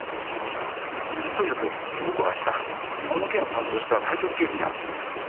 とにかく僕は明日この件を担当した退職刑事に会ってきます。